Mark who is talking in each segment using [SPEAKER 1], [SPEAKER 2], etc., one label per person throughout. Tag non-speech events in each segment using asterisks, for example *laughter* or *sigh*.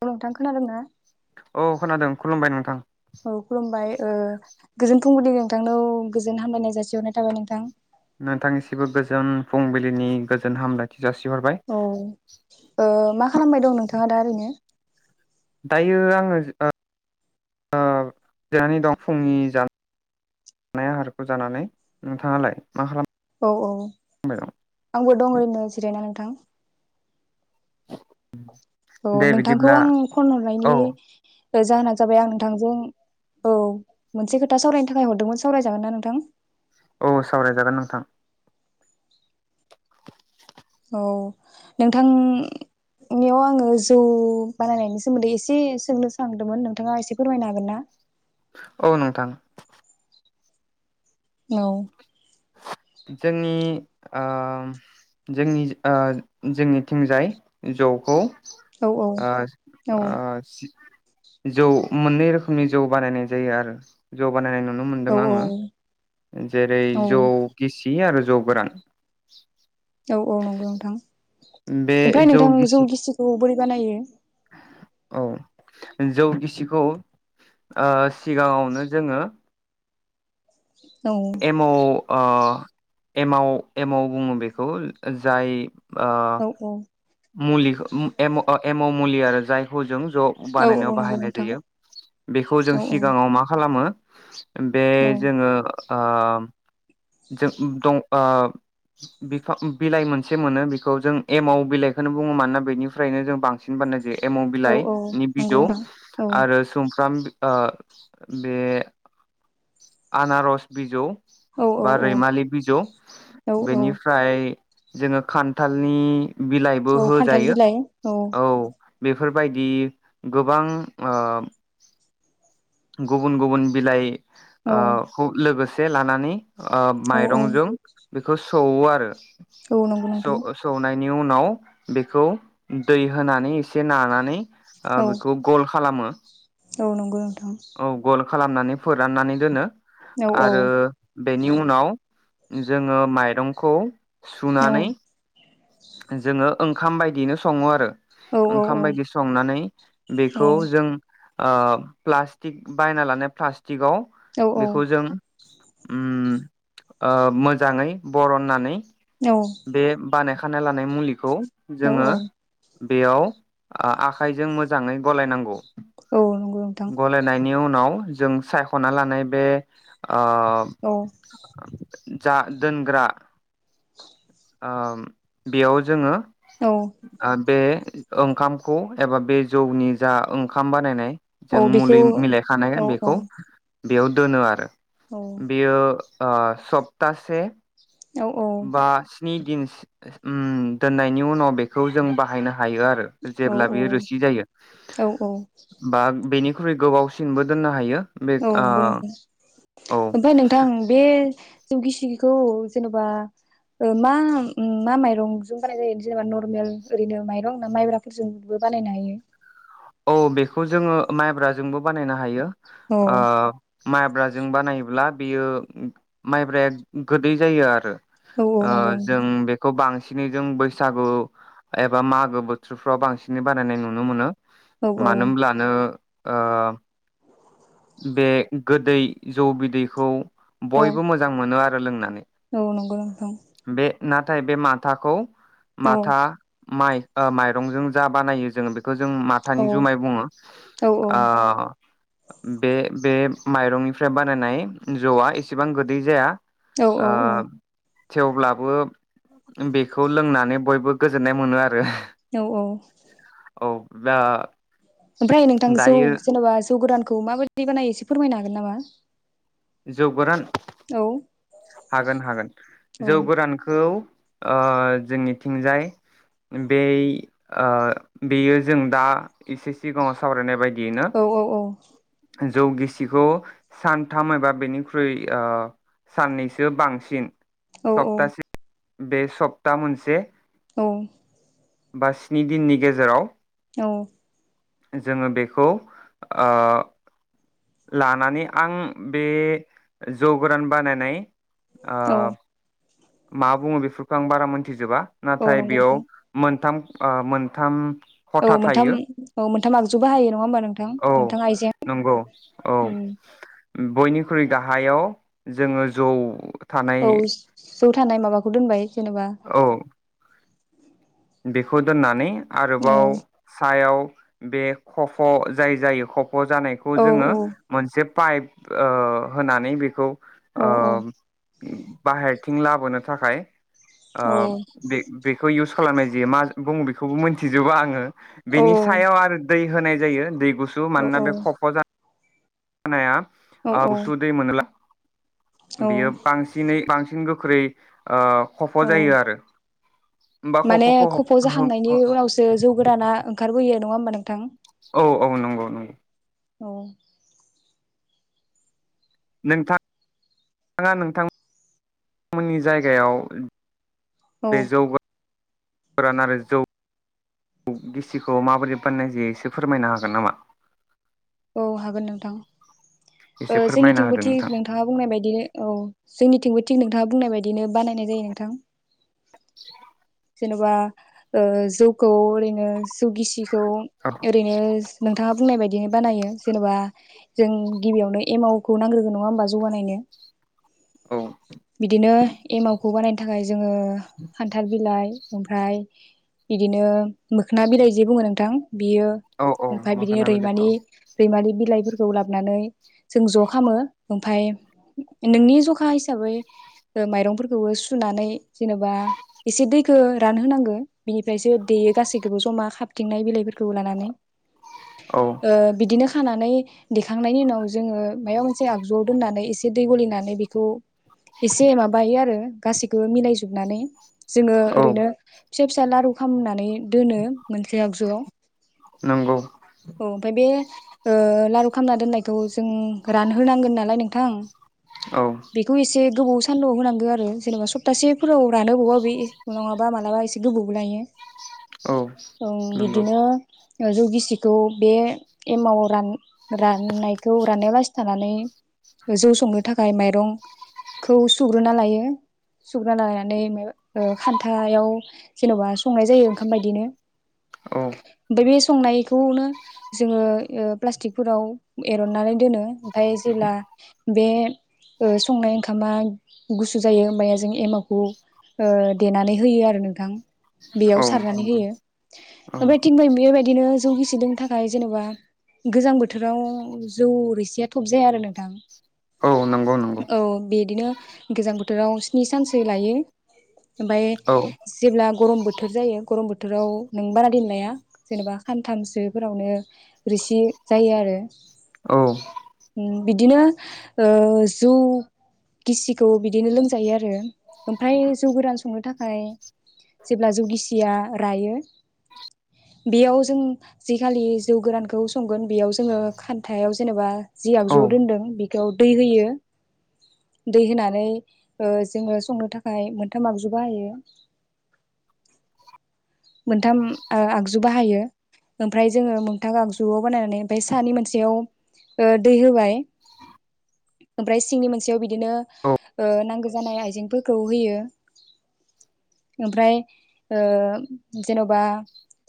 [SPEAKER 1] औ नोंथां खोनादों ना?
[SPEAKER 2] औ खोनादों खुलुमबाय नोंथां।
[SPEAKER 1] औ खुरलुमबाय। ओ गोजोन फुंगनि नोंथांनाव गोजोन हामलायनाय जासिहरनाय थाबाय नोंथां।
[SPEAKER 2] नोंथांनिसिबो गोजोन फुंबिलिनि गोजोन हामलायथि। जासिहरबाय।
[SPEAKER 1] औ ओ मा खालामबाय दं नोंथाङा दा ओरैनो?
[SPEAKER 2] यो आङो जिरनानै दं फुंनि ज जानाय आहारखौ जानानै नोंथाङालाय मा खालाम
[SPEAKER 1] औ औ आंबो दं ओरनो जिरायना नोंथां। औ
[SPEAKER 2] दे
[SPEAKER 1] नोंथांखौ
[SPEAKER 2] बिदिब्ला
[SPEAKER 1] आं फन
[SPEAKER 2] औ
[SPEAKER 1] हरनायनि ओ जाहोना जाबाय आं नोंथांजों औ मोनसे खोथा सावरायनो थाखाय हरदोंमोन सावरायजागोन ना नोंथां?
[SPEAKER 2] औ सावरायजागोन नोंथां।
[SPEAKER 1] औ नोंथांनियाव आङो जौ बानायनायनि सोमोन्दै एसे सोंनो सोलांदोंमोन नोंथाङा एसे फोरमायनो हागोन ना?
[SPEAKER 2] औ नोंथां।
[SPEAKER 1] औ।
[SPEAKER 2] जोंनि ओ जोंनि ओ जोंनिथिंजाय जौखौ
[SPEAKER 1] औ औ
[SPEAKER 2] आ
[SPEAKER 1] औ
[SPEAKER 2] आ जौ मोननै रोखोमनि जौ बानायनाय जायो आरो जौ बानायनाय नु नुनो मोनदों
[SPEAKER 1] औ
[SPEAKER 2] आङो जेरै
[SPEAKER 1] औ
[SPEAKER 2] जौ बे आरो जौ गोरान
[SPEAKER 1] औ औ नंगौ नोंथां।
[SPEAKER 2] बे
[SPEAKER 1] ओमफ्राय नोंथां
[SPEAKER 2] गिसि
[SPEAKER 1] जौ गिसिखौ मोरै बानायो?
[SPEAKER 2] औ जौ गिसिखौ ओ सिगांङावनो जोङो
[SPEAKER 1] औ
[SPEAKER 2] एमाव ओ एमाव एमाव बुङो बेखौ जाय ओ।
[SPEAKER 1] औ औ
[SPEAKER 2] मुलि एम' मुलि आरो जायखौ जों जौ
[SPEAKER 1] औ
[SPEAKER 2] बानायनायाव
[SPEAKER 1] औ नंगौ
[SPEAKER 2] बाहायनाय
[SPEAKER 1] नोंथां
[SPEAKER 2] जायो। बेखौ जों
[SPEAKER 1] औ
[SPEAKER 2] सिगाङाव मा खालामो *inaudible* बे
[SPEAKER 1] औ
[SPEAKER 2] जोङो ओ दं बिफा बिलाइ मोनसे मोनो बेखौ जों एमाव बिलाइ बेखौनो बुङो मानोना बेनिफ्रायनो जों बांसिन बानायनाय जायो। एमाव
[SPEAKER 1] औ औ
[SPEAKER 2] बिलाइनि
[SPEAKER 1] नंगौ
[SPEAKER 2] बिजौ
[SPEAKER 1] नोंथां औ
[SPEAKER 2] आरो सुमफ्राम ओ बे आनारस बिजौ
[SPEAKER 1] औ औ
[SPEAKER 2] बा रैमालि बिजौ
[SPEAKER 1] औ औ
[SPEAKER 2] बेनिफ्राय जोङो खान्थालनि बिब
[SPEAKER 1] औ खान्थाल बिलाय औ।
[SPEAKER 2] फोरबायदि गोबां ओम। गुबुन गुबुन बिलाइ।
[SPEAKER 1] औ
[SPEAKER 2] ओयो खु लोगोस बे लानानै ओयो
[SPEAKER 1] औ
[SPEAKER 2] माइरंजों बिखोस सौवो आरो
[SPEAKER 1] औ नंगौ नोंथां
[SPEAKER 2] सौ सौनाय नि उनाव बेखौ दै होनानै एसे नानानै ओयो
[SPEAKER 1] औ
[SPEAKER 2] बेखौ गल खालामो।
[SPEAKER 1] औ नंगौ नों
[SPEAKER 2] औ गल खालामनानै फोराननानै दोनो।
[SPEAKER 1] औ औ
[SPEAKER 2] आरो बेनि उनाव उम जोङो माइरंखौ
[SPEAKER 1] औ
[SPEAKER 2] सुनानै जोङो ओयो ओंखाम बायदिनो सङो आरो
[SPEAKER 1] औ औ
[SPEAKER 2] ओंखाम बायदि संनानै बेखौ जों ओयो प्लास्टिक बायना लानाय प्लास थिगौ
[SPEAKER 1] औ
[SPEAKER 2] बेखौ जों उम ओयो मोजाङै बरननानै बे बानाया खानाय लानाय मुलिखौ
[SPEAKER 1] औ
[SPEAKER 2] जोङो। बेयाव आ-आखाइजों मोजाङै गलायनांगौ।
[SPEAKER 1] औ नंगौ नोंथां
[SPEAKER 2] गलायनायनि उन नाव जों सायख'ना लानाय बे ओ
[SPEAKER 1] औ।
[SPEAKER 2] जा दोनग्रा ओम। बेयाव जोङो
[SPEAKER 1] औ
[SPEAKER 2] *unintelligible* ओंखामखौ एबा बे जौनि जा ओंखाम बानायनाय
[SPEAKER 1] औ
[SPEAKER 2] जों
[SPEAKER 1] बेखौ
[SPEAKER 2] मुलि
[SPEAKER 1] औ
[SPEAKER 2] मिलायखानायाय
[SPEAKER 1] औ
[SPEAKER 2] बेखौ बेयाव दोनो आरो
[SPEAKER 1] औ
[SPEAKER 2] बेयो आ सप्तासे
[SPEAKER 1] औ औ
[SPEAKER 2] बा स्नि दिनस ओम दोननायनि उनाव बेखौ जों बाहायनो हायो आरो
[SPEAKER 1] औ
[SPEAKER 2] जेब्ला बियो रोसि जायो
[SPEAKER 1] औ औ
[SPEAKER 2] बा बेनि ख्रै गोबावसिनबो दोननो हायो बे
[SPEAKER 1] औ
[SPEAKER 2] ओ
[SPEAKER 1] नंगौ नोंथां
[SPEAKER 2] औ
[SPEAKER 1] ओमफाय नोंथां बे जों गिसिखौ जेनेबा ओ मा मा माइरंजों बानायनाय जायो जेनेबा नरमेल ओरैनो माइरं ना माइब्राफोरजोंबो बानायनो हायो
[SPEAKER 2] औ बेखौ जोंङो माइब्राजोंबो बानायनो हायो
[SPEAKER 1] औ
[SPEAKER 2] ओ माइब्राजों बानायोब्ला बेयो माइब्राया गोदै जायो आरो
[SPEAKER 1] औ औ
[SPEAKER 2] ओ
[SPEAKER 1] नंगौ
[SPEAKER 2] जों बेखौ बां बिदिनो जों बैसागु एबा मागो बोथोरफ्राव बांसिनै बानायनाय नुनो मोनो
[SPEAKER 1] औ औ
[SPEAKER 2] मानो होनब्लानो ओ बे गोदै जौ बिदैखौ
[SPEAKER 1] औ
[SPEAKER 2] बयबो मोजां मोनो आ रो लोंनानै
[SPEAKER 1] औ नोंगौ नोंथां
[SPEAKER 2] बे नाथाय बे माथाखौ
[SPEAKER 1] औ
[SPEAKER 2] माथा माइ ओ माइरंजों जा बानायो जोंङो बे जों
[SPEAKER 1] औ
[SPEAKER 2] माथानि जुमाय बुंङो
[SPEAKER 1] औ
[SPEAKER 2] ओ बे-बे माइरंनिफ्राय बानायनाय जौआ एसेबां गोदै जाया
[SPEAKER 1] औ
[SPEAKER 2] ओ
[SPEAKER 1] औ औ
[SPEAKER 2] थेवब्लाबो बेखौ लोंनानै बयबो गोजोननाय मोनो आरो
[SPEAKER 1] औ औ
[SPEAKER 2] औ दा
[SPEAKER 1] ओमफ्राय नोंथां जौ
[SPEAKER 2] दायो
[SPEAKER 1] जेनेबा जौ गोरानखौ माबाय दि बानायो एसे फोरमायनो हागोन नामा?
[SPEAKER 2] जौ गोरान
[SPEAKER 1] औ
[SPEAKER 2] हागोन हागोन
[SPEAKER 1] औ
[SPEAKER 2] जौ गोरानखौ ओ जोंनिथिंजाय बे ओ बेयो जों दा एसे सिगांङाव सावरायनाय बायदि
[SPEAKER 1] औ औ औ
[SPEAKER 2] जौगिसिखौ सानथाम एबा बेनिख्रुइ ओ साननैसो बांसिन
[SPEAKER 1] औ औ
[SPEAKER 2] सप्तासे बे सप्ता मोनसे
[SPEAKER 1] औ
[SPEAKER 2] बा स्नि दिननि गेजेराव
[SPEAKER 1] औ
[SPEAKER 2] जोङो बेखौ आ लानानै आं बे जौ गोरान बानायनाय आ
[SPEAKER 1] औ
[SPEAKER 2] मा बुङो बेफोरखौ आं बारा मोनथिजोबा
[SPEAKER 1] औ
[SPEAKER 2] नाथाय
[SPEAKER 1] नंगौ
[SPEAKER 2] बेयाव
[SPEAKER 1] नोंथां
[SPEAKER 2] मोनथाम ओ मोनथाम
[SPEAKER 1] औ
[SPEAKER 2] खथा
[SPEAKER 1] मोनथाम
[SPEAKER 2] थायो
[SPEAKER 1] औ मोनथाम आगजु बाहायो नङा होमबा नोंथां
[SPEAKER 2] औ
[SPEAKER 1] मोनथां आइजें
[SPEAKER 2] नंगौ औ
[SPEAKER 1] उम
[SPEAKER 2] बयनिख्रुइ गाहायाव जोङो जौ थानाय
[SPEAKER 1] औ जौ थानाय माबा दोनबाय जेनेबा
[SPEAKER 2] औ बेखौ दोननानै
[SPEAKER 1] औ
[SPEAKER 2] आरोबाव सायाव बे खफ' जाय जायो ख जानायखौ
[SPEAKER 1] औ
[SPEAKER 2] जोङो
[SPEAKER 1] औ
[SPEAKER 2] मोनसे पाइप ओ होनानै बेखौ
[SPEAKER 1] औ औ
[SPEAKER 2] आ बाहेरथिं लाबोनो थाखाय ओ
[SPEAKER 1] औ
[SPEAKER 2] बे बेखौ इउस खालामनाय जायो मा बुङो बेखौबो मोनथिजोबा आङो
[SPEAKER 1] औ
[SPEAKER 2] बेनि सायाव आरो दै होनाय जायो दै गुसु मानोना बे खफ' जा
[SPEAKER 1] औ
[SPEAKER 2] *unintelligible* आ गुसु दैै मोनोला
[SPEAKER 1] औ
[SPEAKER 2] बेयो बांसिनै बांसिन गो *unintelligible* खफ'
[SPEAKER 1] औ
[SPEAKER 2] जायो आरो होमबा
[SPEAKER 1] माने
[SPEAKER 2] खफ'खौ
[SPEAKER 1] खफ' जाखांनायनि उनावसो जौ गोदाना ओंखारबोयो नङा होमबा नोंथां
[SPEAKER 2] औ औ नंगौ नंगौ
[SPEAKER 1] औ
[SPEAKER 2] नोंथां नोंथाङा नोंथांमोननि जायगायाव
[SPEAKER 1] औ
[SPEAKER 2] बेे जौगा गोरान आरो जौ गिसिखौ माबोरै बानायनाय जायो एसे फोरमायनो हागोन नामा
[SPEAKER 1] औ हागोन नोंथां ओ
[SPEAKER 2] एसे फोरमायना
[SPEAKER 1] जोंनिथिंबो
[SPEAKER 2] होदो नोंथां
[SPEAKER 1] थिक नोंथाङा बुंनाय बायदिनो औ जोंनिथिंबो थिग नोंथाङा बुंनाय बायदिनो बानायनाय जायो नोंथां
[SPEAKER 2] *unintelligible*
[SPEAKER 1] जेनेबा ओ जौखौ ओरैनो जौ गिसिखौ
[SPEAKER 2] औ
[SPEAKER 1] ओरैनो नोंथाङा बुंनाय बायदियैनो बानायो जेनेबा जों गिबियावनो एमावखौ नांग्रोगौ नङा होमबा जौ बानायनो
[SPEAKER 2] औ
[SPEAKER 1] बिदिनो एमाव खौ बानायनो थाखाय जोङो खान्थाल बिलाइ ओमफ्राय बिदिनो मोखोना बिलाइ जे बुङो नोंथां बियो
[SPEAKER 2] औ औ
[SPEAKER 1] ओमफाय बिदिनो
[SPEAKER 2] मोखोना बिलाइ
[SPEAKER 1] रैमानि
[SPEAKER 2] औ
[SPEAKER 1] रैमालि बिला बिलाइफोरखौ लाबोनानै जों ज' खालामो ओमफाय नोंनि जखा हिसाबै माइरंफोरखौबो सुनानै जेनेबा एसे दैखौ रान होनांगो बिनिफ्रायसो देयो गासैखौबो जमा खाबथिंनाय बिलाइफोरखौ लानानै
[SPEAKER 2] औ
[SPEAKER 1] ओ बिदिनो खानानै देखांनायनि उनाव जोङो माबा मोनसे आगजुआव दोननानै एसे दै गलिनानै बेखौ
[SPEAKER 2] *unintelligible*
[SPEAKER 1] एसे माबायो आरो गासैखौबो मिलायजोबनानै जोङो
[SPEAKER 2] औ
[SPEAKER 1] ओरैनो फिसा फिसा लारु खालामनानै दोनो मोनसे आगजुआव
[SPEAKER 2] नंगौ
[SPEAKER 1] अ ओमबाय बे ओ लारु खालामना दोननायखौ जों रानहोनांगोन नालाय नोंथां
[SPEAKER 2] औ
[SPEAKER 1] बेखौ एसे गोबाव सानदुंआव होनांगौ आरो जेनेबा सप्तासेफोराव रानो बबावबा बा नङाबा मालाबा एसे गोबाव लायो
[SPEAKER 2] औ
[SPEAKER 1] उम
[SPEAKER 2] नंगौ
[SPEAKER 1] बिदिनो जौ गिसिखौ बे एमाव रान राननायखौ राननाय लासे थानानै जौ संनो थाखाय माइरं - खौ सुग्रोना लायो सुग्रोना लानानै ओ खान्थाव जेन'बा संनाय जायो ओंखाम बायदिनो
[SPEAKER 2] औ ।
[SPEAKER 1] एबे संनायखौनो जोङो ओ प्लास्टिकफोराव एर'ननानै दोनो ओमफाय जेला बे ओ संनाय ओंखा ओंखामा गुसु जायो होमबाना जों एमावखौ ओ देनानै होयो आरो नोंथां । बेयाव
[SPEAKER 2] औ
[SPEAKER 1] सारनानै
[SPEAKER 2] नंगौ
[SPEAKER 1] होयो
[SPEAKER 2] औ
[SPEAKER 1] ओमफाय थिग बेबायदिनो जौ गिसि *unintelligible* थाखाय जेनेबा गोजां बोथोराव जौ रोसिया थब जाया आरो नोंथां ।
[SPEAKER 2] औ नोंगौ नोंगौ ।
[SPEAKER 1] बिदिनो गोजां बोथोराव स्नि सानसो लायो । ओमफाय
[SPEAKER 2] औ
[SPEAKER 1] जेब्ला गरम बोथोर जायो गरम बोथोराव नों बारादिन लाया जेनेबा खानथामसोफोरावनो रोसि जायो आरो।
[SPEAKER 2] औ ।
[SPEAKER 1] बिदिनो ओ जौ गिसिखौ बिदिनो लोंजायो आरो । ओमफ्राय जौ गोरान संनो था खाय जेब्ला जौ गिसिया रायो बेयाव जों जिखालि जौ गोरानखौ संगोन बेयाव जोङो खान्थायाव जेनेबा जियाव ज' दोनदों बि बेयाव दै होयो दै होनानै ओ जोङो संनो थाखाय मोनथाम आगजु बाहायो मोनथाम ओ आगजु बाहायो ओमफ्राय जोङो मोनथाम आगजुआव बानायनानै ओमफ्राय सानि मोनसेयाव ओ दै होबाय ओमफ्राय सिंनि मोनसेयाव बि दिनो नांगौ जानाय आइजें फोर खौ होयो ओमफ्राय ओ जेन'बा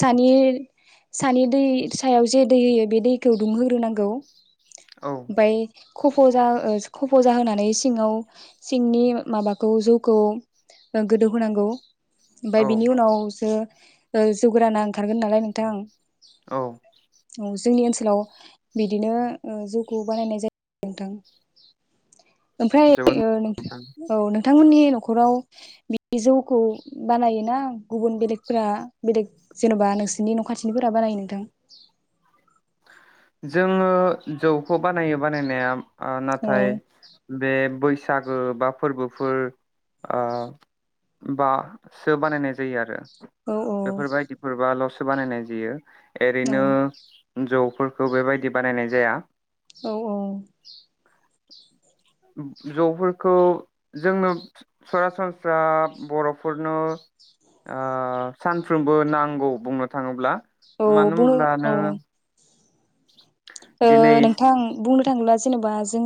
[SPEAKER 1] सानि-सानि दै सायाव जे दै होयो बे दैखौ दुंहोग्रोनांगौ।
[SPEAKER 2] औ
[SPEAKER 1] बाय खफ' जा ओ खफ' जाहोनानै सिङाव सिंनि माबाखौ जौखौ ओ गोदौ होनांगौ। ओमफाय
[SPEAKER 2] औ
[SPEAKER 1] बिनि उनाव ओ ओ जौगाना ओंखारगोन नालाय नोंथां ।
[SPEAKER 2] औ ।
[SPEAKER 1] औ जोंनि ओनसोलाव बिदिनो ओ जौखौ बानायनाय जायो नोंथां। ओमफ्राय
[SPEAKER 2] जोबोद
[SPEAKER 1] ओ औ नोंथांमोननि न'खराव बिदि जौखौ बानायोना गुबुन बेलेग फोरा बेलेग जेन'बा नोंसिनि न' खाथिनिफोरा बानायो नोंथां?
[SPEAKER 2] जोङो जौखौ बानायो बानायनाया ओ
[SPEAKER 1] औ
[SPEAKER 2] नाथाय बे बै सागो बा फोरबोफोर ओ बासो बानायनाय जायो आरो।
[SPEAKER 1] औ
[SPEAKER 2] बेफोर बायदिफोरबा ल'सो बानायनाय जायो।
[SPEAKER 1] औ
[SPEAKER 2] एरैनो जौ खौ बेबायदि बानायनाय जाया।
[SPEAKER 1] औ औ
[SPEAKER 2] जौफोरखौ जोंनो सरासनस्रा बर'फोरनो ओ सानफ्रोमबो नांगौ बुंनो थाङोब्ला
[SPEAKER 1] औ
[SPEAKER 2] मानो
[SPEAKER 1] बुङो
[SPEAKER 2] होनब्ला
[SPEAKER 1] औ
[SPEAKER 2] नों
[SPEAKER 1] ओ‌
[SPEAKER 2] दिनै
[SPEAKER 1] नोंथां बुंनो थाङोब्ला जेनेबा जों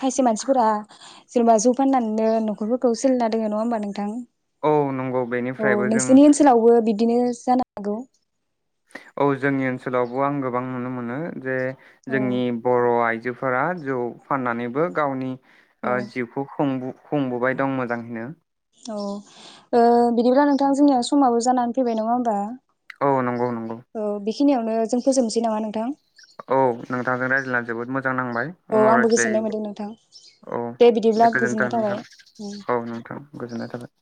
[SPEAKER 1] खायसे मानसिफोरा जेनेबा जौ फाननानैनो न'खरफोरखौ सोलिना दोङो नङा होमबा नोंथां
[SPEAKER 2] औ नंगौ
[SPEAKER 1] अ
[SPEAKER 2] बेनिफ्रायबो जों
[SPEAKER 1] नोंसोरनि ओनसोलावबो बिदिनो जानांगौ
[SPEAKER 2] औ जोंनि ओनसोलावबो आं गोबां नुनो मोनो जे
[SPEAKER 1] औ
[SPEAKER 2] जोंनि बर' आइजो जोफोरा जौ फाननानैबो गावनि ओ
[SPEAKER 1] औ
[SPEAKER 2] जिउखौ खुंबोदों खुंबोबाय दं मोजाङैनो।
[SPEAKER 1] औ ओ बिदिब्ला नोंथां जोंनिया समाबो जानानै फैबाय नङा होमबा
[SPEAKER 2] औ नंगौ नंगौ
[SPEAKER 1] औ बेखिनियावनो जों फोजोबनोसै नामा नोंथां?
[SPEAKER 2] औ नोंथां रायज्लायनानै जोबोद मोजां जां नांबाय
[SPEAKER 1] औ
[SPEAKER 2] उनाव
[SPEAKER 1] आंबो गोजोननाय
[SPEAKER 2] रायज्लायो
[SPEAKER 1] मोनदों नोंथां
[SPEAKER 2] औ
[SPEAKER 1] बिदिब्ला
[SPEAKER 2] दे गोजोनथों
[SPEAKER 1] गोजोननाय थाबाय
[SPEAKER 2] नोंथां
[SPEAKER 1] उम
[SPEAKER 2] औ नोंथां गोजोननाय थाबाय।